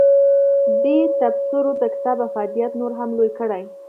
دې تبصرو د کتاب افادیت نور هم لوی کړی.